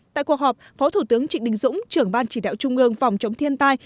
tại cuộc họp phó thủ tướng trịnh đình dũng trưởng ban chỉ đạo trung ương phòng chống thiên tai